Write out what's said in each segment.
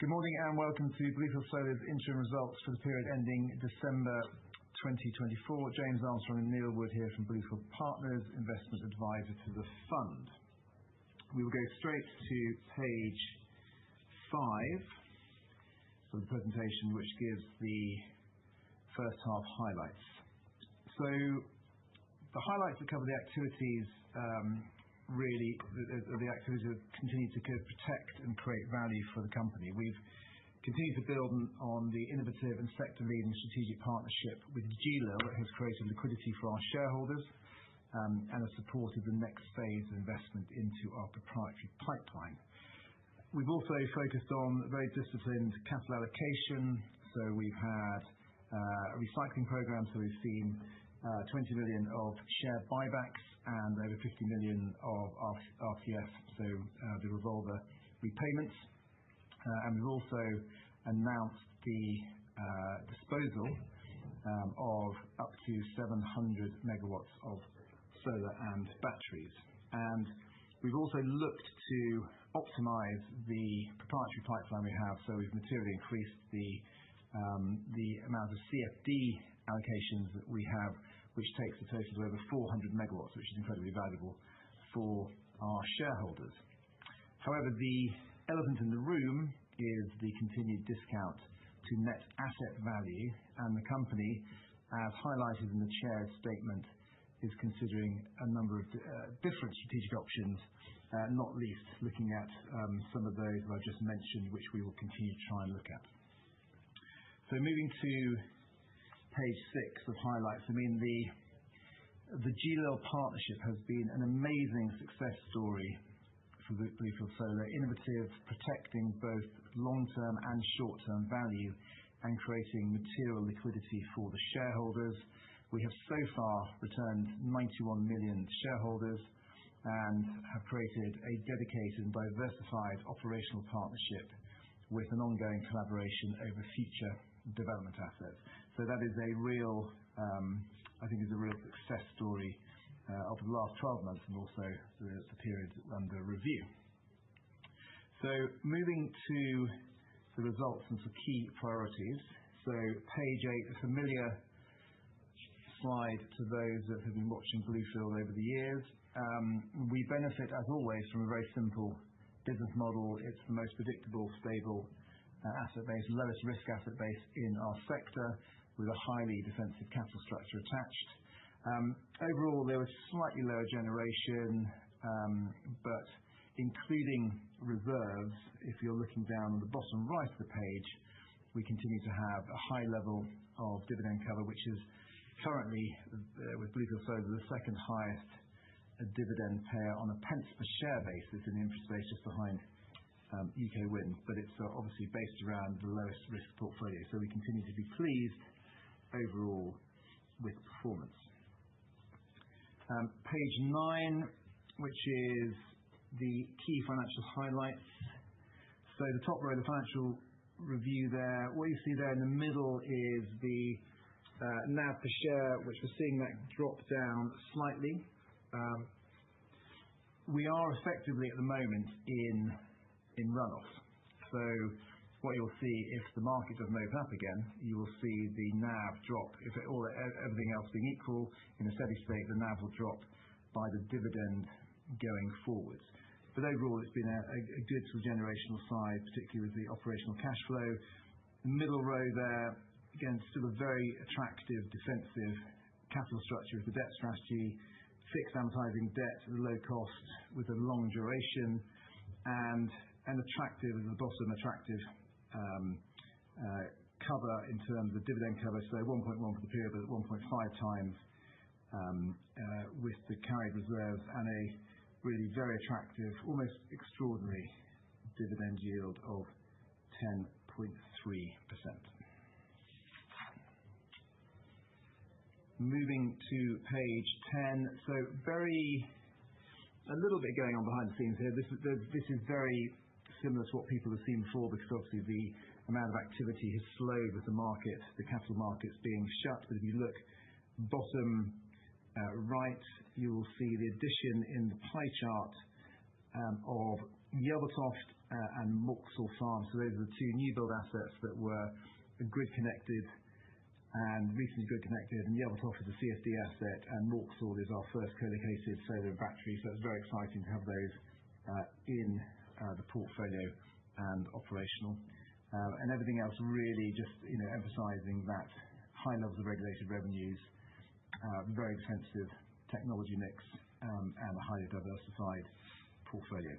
Good morning and welcome to Bluefield Solar's interim results for the period ending December 2024. James Armstrong and Neil Wood here from Bluefield Partners, investment advisor to the fund. We will go straight to page five of the presentation, which gives the first half highlights. The highlights that cover the activities really are the activities that continue to protect and create value for the company. We've continued to build on the innovative and sector-leading strategic partnership with GLIL that has created liquidity for our shareholders and has supported the next phase of investment into our proprietary pipeline. We've also focused on very disciplined capital allocation. We've had a recycling program. We've seen 20 million of share buybacks and over 50 million of RCF, so the revolver repayments. We've also announced the disposal of up to 700 megawatts of solar and batteries. We've also looked to optimize the proprietary pipeline we have. We've materially increased the amount of CFD allocations that we have, which takes a total of over 400 megawatts, which is incredibly valuable for our shareholders. However, the elephant in the room is the continued discount to net asset value. The company, as highlighted in the chair's statement, is considering a number of different strategic options, not least looking at some of those that I've just mentioned, which we will continue to try and look at. Moving to page six of highlights. I mean, the GLIL partnership has been an amazing success story for Bluefield Solar, innovative, protecting both long-term and short-term value and creating material liquidity for the shareholders. We have so far returned 91 million to shareholders and have created a dedicated and diversified operational partnership with an ongoing collaboration over future development assets. That is a real success story, I think, over the last 12 months and also the period under review. Moving to the results and some key priorities. Page eight, a familiar slide to those that have been watching Bluefield over the years. We benefit, as always, from a very simple business model. It's the most predictable, stable asset base, lowest risk asset base in our sector with a highly defensive capital structure attached. Overall, there was slightly lower generation, but including reserves, if you're looking down on the bottom right of the page, we continue to have a high level of dividend cover, which is currently, with Bluefield Solar, the second highest dividend payer on a pence per share basis in the infrastructure space, just behind UK Wind, but it's obviously based around the lowest risk portfolio. So we continue to be pleased overall with performance. Page nine, which is the key financial highlights. So the top row, the financial review there, what you see there in the middle is the NAV per share, which we're seeing that drop down slightly. We are effectively at the moment in runoff. So what you'll see if the market doesn't open up again, you will see the NAV drop. If everything else being equal in a steady state, the NAV will drop by the dividend going forwards. But overall, it's been a good sort of generational slide, particularly with the operational cash flow. Middle row there, again, still a very attractive defensive capital structure with the debt strategy, fixed amortizing debt at a low cost with a long duration and an attractive, at the bottom, attractive cover in terms of dividend cover. So 1.1 for the period, but at 1.5 times with the carried reserves and a really very attractive, almost extraordinary dividend yield of 10.3%. Moving to page 10. So a little bit going on behind the scenes here. This is very similar to what people have seen before because obviously the amount of activity has slowed with the market, the capital markets being shut. But if you look bottom right, you will see the addition in the pie chart of Yelvertoft and Mauxhall Farm. So those are the two new build assets that were grid connected and recently grid connected. And Yelvertoft is a CFD asset and Mauxhall is our first co-located solar and battery. So it's very exciting to have those in the portfolio and operational. And everything else really just emphasizing that high levels of regulated revenues, very defensive technology mix, and a highly diversified portfolio.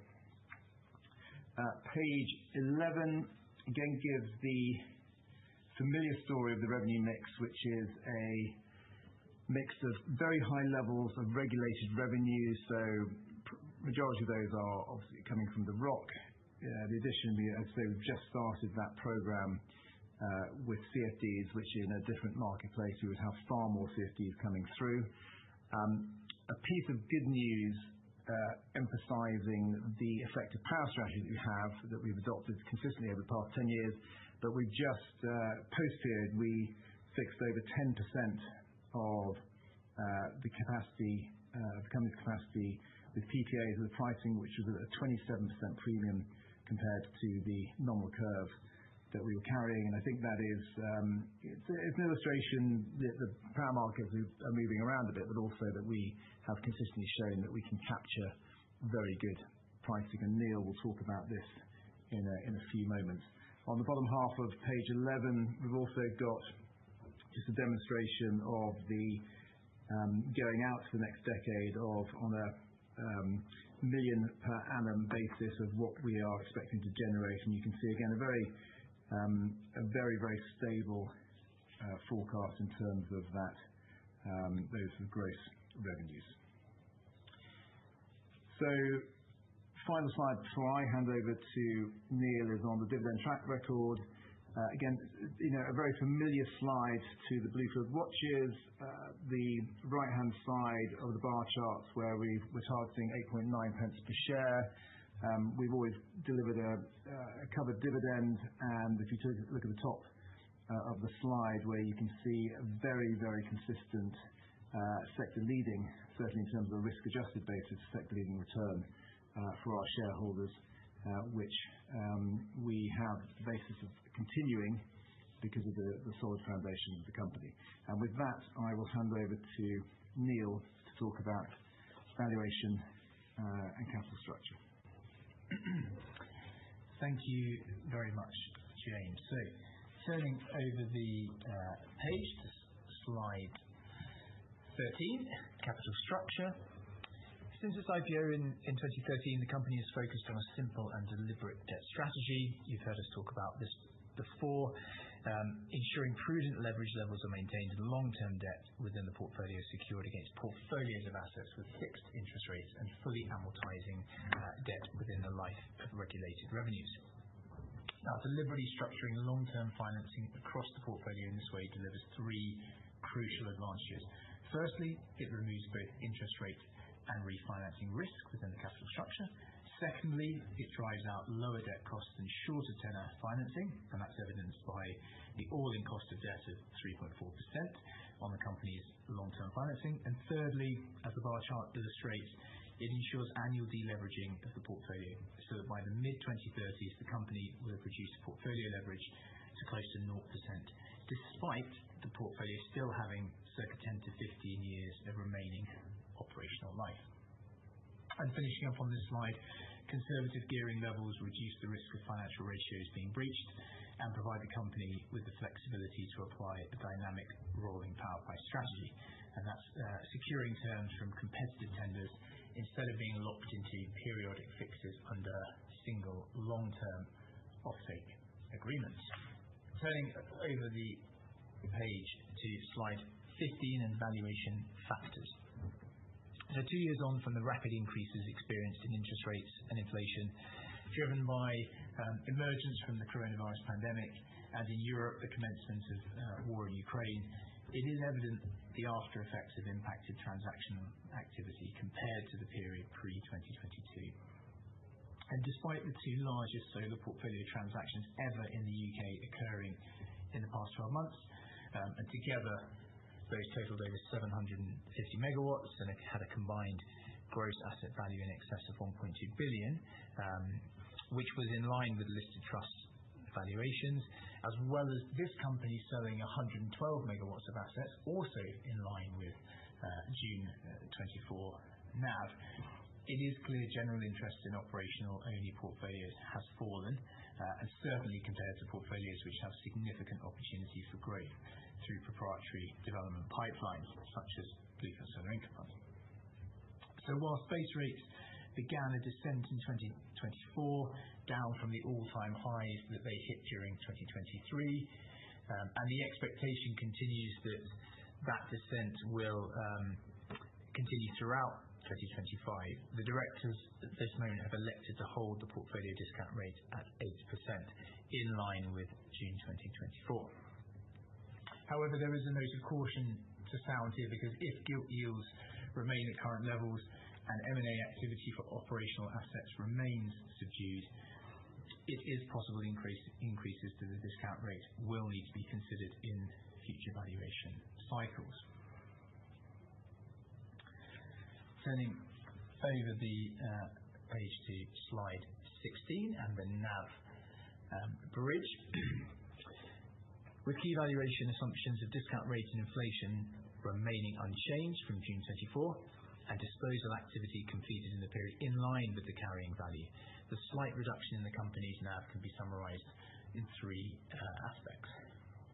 Page 11 again gives the familiar story of the revenue mix, which is a mix of very high levels of regulated revenues. The majority of those are obviously coming from the ROCs. In addition, as I say, we've just started that program with CFDs, which in a different marketplace, we would have far more CFDs coming through. A piece of good news emphasizing the effective power strategy that we have that we've adopted consistently over the past 10 years. But just post-period, we fixed over 10% of the capacity of the company's capacity with PPAs and the pricing, which was at a 27% premium compared to the normal curve that we were carrying. I think that is an illustration that the power markets are moving around a bit, but also that we have consistently shown that we can capture very good pricing. Neil will talk about this in a few moments. On the bottom half of page 11, we've also got just a demonstration of the going out for the next decade of on a million per annum basis of what we are expecting to generate. You can see again a very, very stable forecast in terms of those sort of gross revenues. The final slide before I hand over to Neil is on the dividend track record. Again, a very familiar slide to the Bluefield Watchers. The right-hand side of the bar charts where we're targeting 0.089 per share. We've always delivered a covered dividend. If you take a look at the top of the slide where you can see a very, very consistent sector leading, certainly in terms of a risk-adjusted basis, sector leading return for our shareholders, which we have the basis of continuing because of the solid foundation of the company. With that, I will hand over to Neil to talk about valuation and capital structure. Thank you very much, James, so turning over the page to slide 13, capital structure. Since its IPO in 2013, the company has focused on a simple and deliberate debt strategy. You've heard us talk about this before, ensuring prudent leverage levels are maintained in long-term debt within the portfolio secured against portfolios of assets with fixed interest rates and fully amortizing debt within the life of regulated revenues. Now, deliberately structuring long-term financing across the portfolio in this way delivers three crucial advantages. Firstly, it removes both interest rate and refinancing risk within the capital structure. Secondly, it drives out lower debt costs and shorter tenor financing, and that's evidenced by the all-in cost of debt of 3.4% on the company's long-term financing. And thirdly, as the bar chart illustrates, it ensures annual deleveraging of the portfolio so that by the mid-2030s, the company will have reduced portfolio leverage to close to 0%, despite the portfolio still having circa 10-15 years of remaining operational life. And finishing up on this slide, conservative gearing levels reduce the risk of financial ratios being breached and provide the company with the flexibility to apply a dynamic rolling power price strategy. And that's securing terms from competitive tenders instead of being locked into periodic fixes under single long-term offtake agreements. Turning over the page to slide 15 and valuation factors. So two years on from the rapid increases experienced in interest rates and inflation driven by emergence from the coronavirus pandemic and in Europe, the commencement of war in Ukraine, it is evident the aftereffects have impacted transactional activity compared to the period pre-2022. And despite the two largest solar portfolio transactions ever in the UK occurring in the past 12 months, and together those totaled over 750 megawatts and had a combined gross asset value in excess of 1.2 billion, which was in line with listed trust valuations, as well as this company selling 112 megawatts of assets, also in line with June 2024 NAV, it is clear general interest in operational-only portfolios has fallen, and certainly compared to portfolios which have significant opportunity for growth through proprietary development pipelines such as Bluefield Solar Income Fund. So while space rates began a descent in 2024 down from the all-time highs that they hit during 2023, and the expectation continues that that descent will continue throughout 2025, the directors at this moment have elected to hold the portfolio discount rate at 8% in line with June 2024. However, there is a note of caution to sound here because if gilt yields remain at current levels and M&A activity for operational assets remains subdued, it is possible increases to the discount rate will need to be considered in future valuation cycles. Turning over the page to slide 16 and the NAV bridge. With key valuation assumptions of discount rate and inflation remaining unchanged from June 2024 and disposal activity completed in the period in line with the carrying value, the slight reduction in the company's NAV can be summarized in three aspects.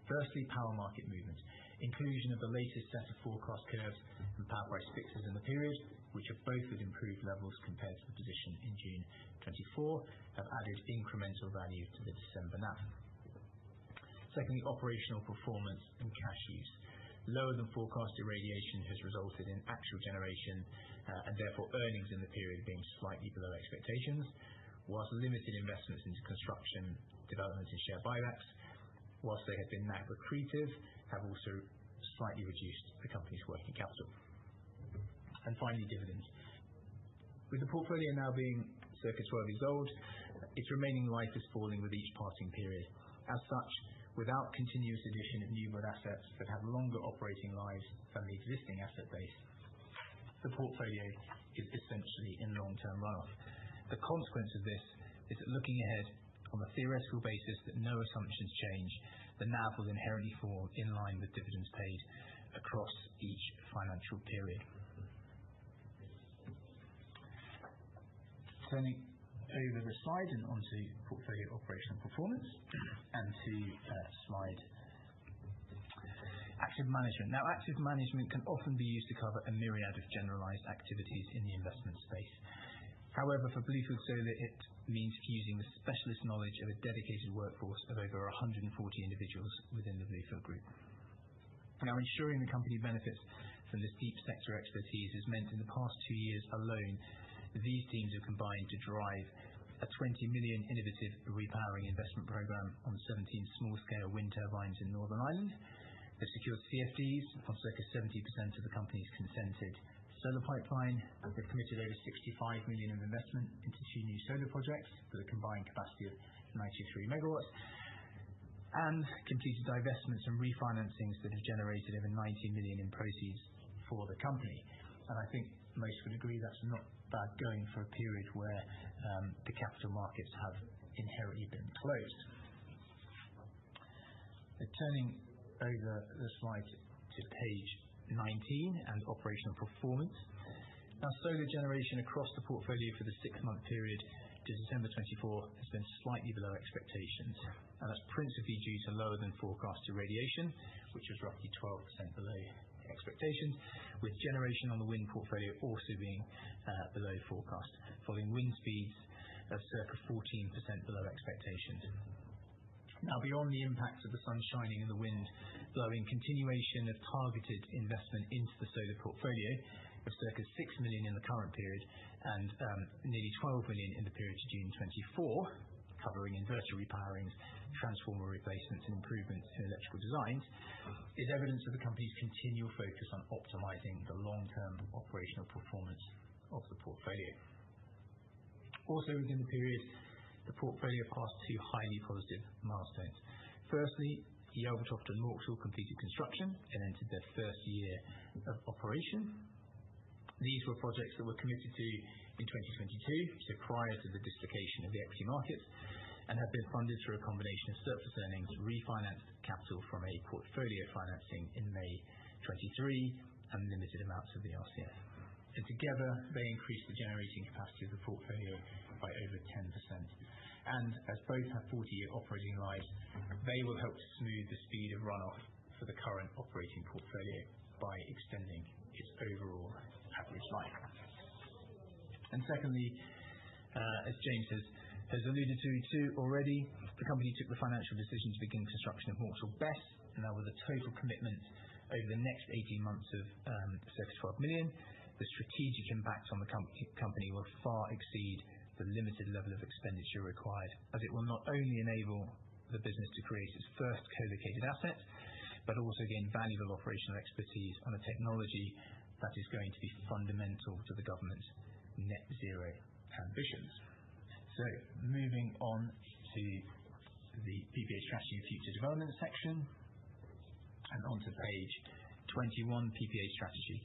Firstly, power market movement. Inclusion of the latest set of forecast curves and power price fixes in the period, which have both with improved levels compared to the position in June 2024, have added incremental value to the December NAV. Secondly, operational performance and cash use. Lower than forecast irradiation has resulted in actual generation and therefore earnings in the period being slightly below expectations, whilst limited investments into construction, development, and share buybacks, whilst they have been NAV accretive, have also slightly reduced the company's working capital, and finally, dividends. With the portfolio now being circa 12 years old, its remaining life is falling with each passing period. As such, without continuous addition of new build assets that have longer operating lives than the existing asset base, the portfolio is essentially in long-term runoff. The consequence of this is that looking ahead on a theoretical basis that no assumptions change, the NAV will inherently fall in line with dividends paid across each financial period. Turning over the slide and onto portfolio operational performance and to slide active management. Now, active management can often be used to cover a myriad of generalized activities in the investment space. However, for Bluefield Solar, it means fusing the specialist knowledge of a dedicated workforce of over 140 individuals within the Bluefield Group. Now, ensuring the company benefits from this deep sector expertise is meant in the past two years alone, these teams have combined to drive a 20 million innovative repowering investment program on 17 small-scale wind turbines in Northern Ireland. They've secured CFDs on circa 70% of the company's consented solar pipeline. They've committed over 65 million of investment into two new solar projects with a combined capacity of 93 megawatts and completed divestments and refinancings that have generated over 90 million in proceeds for the company, and I think most would agree that's not bad going for a period where the capital markets have inherently been closed. Turning over the slide to page 19 and operational performance. Now, solar generation across the portfolio for the six-month period to December 2024 has been slightly below expectations. And that's principally due to lower than forecast irradiation, which was roughly 12% below expectations, with generation on the wind portfolio also being below forecast, following wind speeds of circa 14% below expectations. Now, beyond the impacts of the sun shining and the wind blowing, continuation of targeted investment into the solar portfolio of circa 6 million in the current period and nearly 12 million in the period to June 2024, covering inverter repowerings, transformer replacements, and improvements in electrical designs, is evidence of the company's continual focus on optimizing the long-term operational performance of the portfolio. Also, within the period, the portfolio passed two highly positive milestones. Firstly, Yelvertoft and Mauxhall completed construction and entered their first year of operation. These were projects that were committed to in 2022, so prior to the dislocation of the equity markets, and have been funded through a combination of surplus earnings, refinanced capital from a portfolio financing in May 2023, and limited amounts of the RCF, and together, they increased the generating capacity of the portfolio by over 10%, and as both have 40-year operating lives, they will help to smooth the speed of runoff for the current operating portfolio by extending its overall average life. And secondly, as James has alluded to already, the company took the financial decision to begin construction of Mauxhall BESS, and now with a total commitment over the next 18 months of circa 12 million, the strategic impacts on the company will far exceed the limited level of expenditure required, as it will not only enable the business to create its first co-located asset, but also gain valuable operational expertise on a technology that is going to be fundamental to the government's net zero ambitions. So moving on to the PPA strategy and future development section and onto page 21, PPA strategy.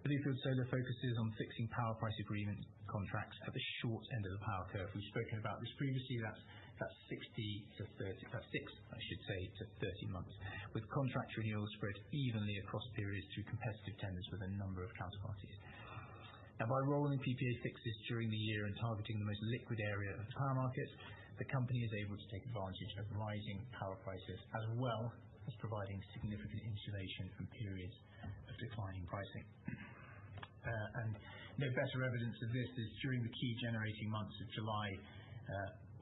Bluefield Solar focuses on fixing power price agreement contracts at the short end of the power curve. We've spoken about this previously. That's 60 to 30—that's six, I should say, to 30 months, with contract renewals spread evenly across periods through competitive tenders with a number of counterparties. Now, by rolling PPA fixes during the year and targeting the most liquid area of the power markets, the company is able to take advantage of rising power prices as well as providing significant insulation from periods of declining pricing. No better evidence of this is during the key generating months of July,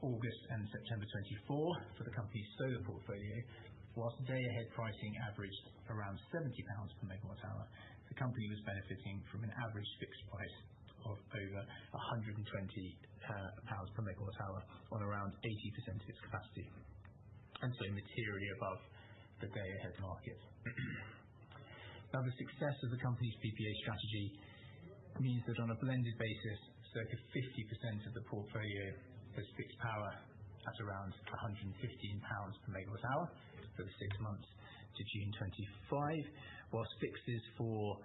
August, and September 2024 for the company's solar portfolio. Whilst day-ahead pricing averaged around 70 pounds per megawatt hour, the company was benefiting from an average fixed price of over 120 pounds per megawatt hour on around 80% of its capacity, and so materially above the day-ahead market. Now, the success of the company's PPA strategy means that on a blended basis, circa 50% of the portfolio has fixed power at around 115 pounds per megawatt hour for the six months to June 25, whilst fixes for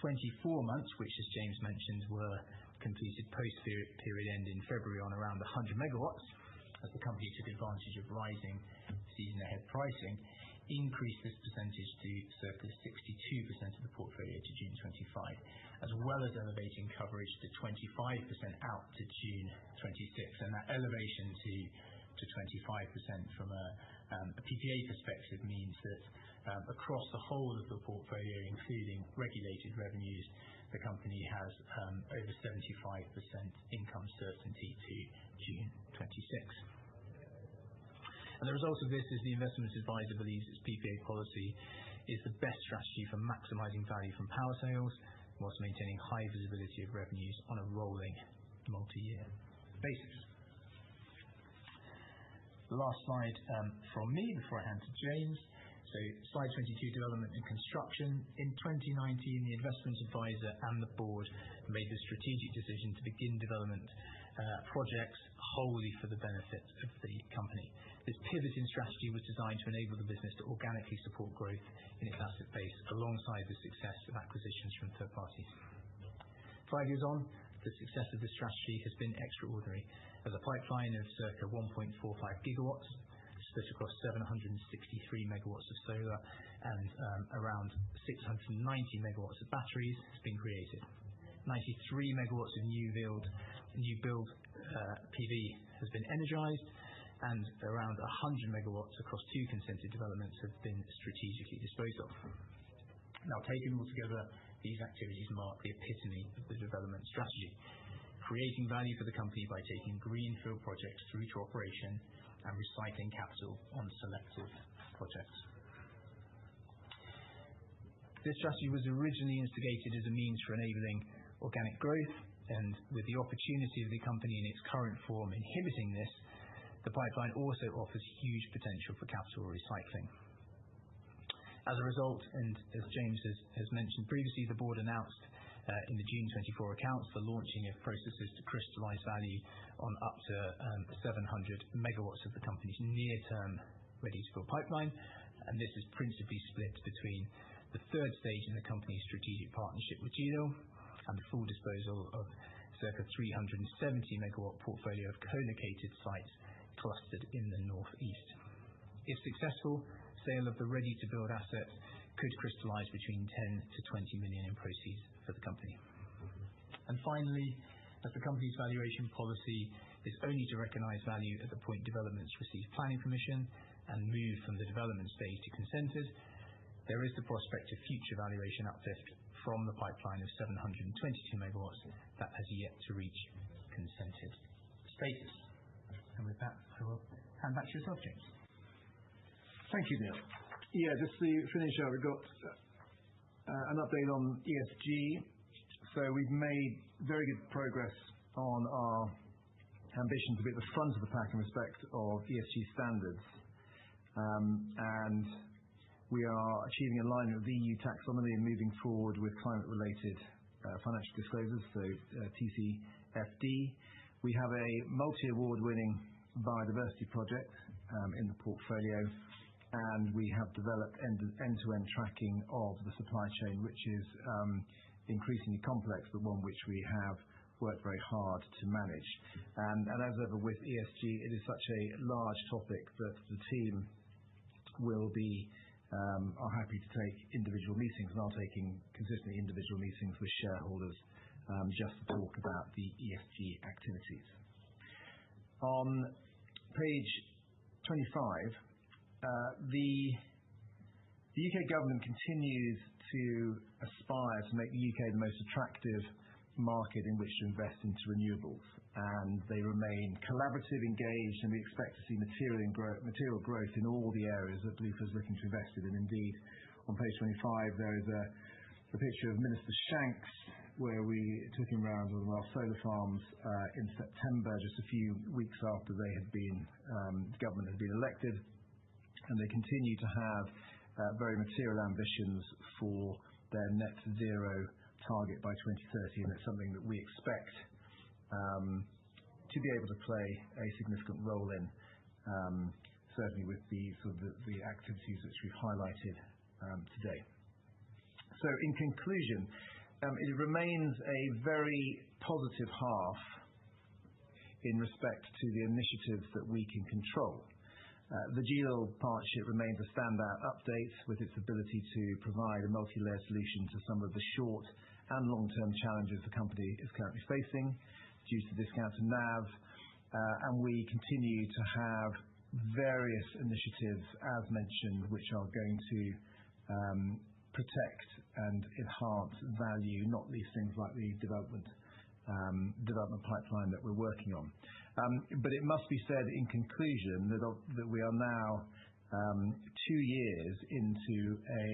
24 months, which, as James mentioned, were completed post-period end in February on around 100 megawatts as the company took advantage of rising season-ahead pricing, increased this percentage to circa 62% of the portfolio to June 25, as well as elevating coverage to 25% out to June 26, and that elevation to 25% from a PPA perspective means that across the whole of the portfolio, including regulated revenues, the company has over 75% income certainty to June 26, and the result of this is the investment advisor believes its PPA policy is the best strategy for maximizing value from power sales, whilst maintaining high visibility of revenues on a rolling multi-year basis. Last slide from me before I hand to James. So slide 22, development and construction. In 2019, the investment advisor and the board made the strategic decision to begin development projects wholly for the benefit of the company. This pivot in strategy was designed to enable the business to organically support growth in its asset base alongside the success of acquisitions from third parties. Five years on, the success of this strategy has been extraordinary, as a pipeline of circa 1.45 gigawatts split across 763 megawatts of solar and around 690 megawatts of batteries has been created. 93 megawatts of new build PV has been energized, and around 100 megawatts across two consented developments have been strategically disposed of. Now, taken all together, these activities mark the epitome of the development strategy, creating value for the company by taking greenfield projects through to operation and recycling capital on selective projects. This strategy was originally instigated as a means for enabling organic growth, and with the opportunity of the company in its current form inhibiting this, the pipeline also offers huge potential for capital recycling. As a result, and as James has mentioned previously, the board announced in the June 2024 accounts the launching of processes to crystallize value on up to 700 megawatts of the company's near-term ready-to-go pipeline, and this is principally split between the third stage in the company's strategic partnership with GLIL and the full disposal of circa 370 megawatt portfolio of co-located sites clustered in the northeast. If successful, sale of the ready-to-build assets could crystallize between 10-20 million in proceeds for the company. And finally, as the company's valuation policy is only to recognize value at the point developments receive planning permission and move from the development stage to consented, there is the prospect of future valuation uplift from the pipeline of 722 megawatts that has yet to reach consented status. And with that, I will hand back to yourself, James. Thank you, Neil. Yeah, just to finish out, we've got an update on ESG. So we've made very good progress on our ambitions to be at the front of the pack in respect of ESG standards. And we are achieving alignment with the EU Taxonomy and moving forward with climate-related financial disclosures, so TCFD. We have a multi-award-winning biodiversity project in the portfolio, and we have developed end-to-end tracking of the supply chain, which is increasingly complex, but one which we have worked very hard to manage. And as ever with ESG, it is such a large topic that the team will be happy to take individual meetings, and I'm taking consistently individual meetings with shareholders just to talk about the ESG activities. On page 25, the U.K. government continues to aspire to make the U.K. the most attractive market in which to invest into renewables. And they remain collaborative, engaged, and we expect to see material growth in all the areas that Bluefield is looking to invest in. And indeed, on page 25, there is a picture of Minister Shanks where we took him round on our solar farms in September, just a few weeks after the government had been elected. And they continue to have very material ambitions for their net zero target by 2030. It's something that we expect to be able to play a significant role in, certainly with the activities which we've highlighted today. In conclusion, it remains a very positive half in respect to the initiatives that we can control. The GLIL partnership remains a standout update with its ability to provide a multi-layer solution to some of the short and long-term challenges the company is currently facing due to the discount in NAV. We continue to have various initiatives, as mentioned, which are going to protect and enhance value, not least things like the development pipeline that we're working on. It must be said in conclusion that we are now two years into a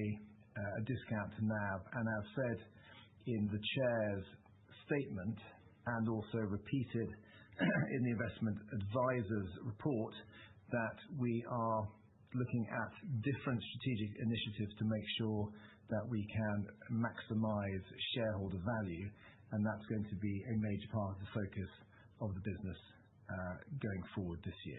discount in NAV. As said in the chair's statement and also repeated in the investment advisor's report, that we are looking at different strategic initiatives to make sure that we can maximize shareholder value. That's going to be a major part of the focus of the business going forward this year.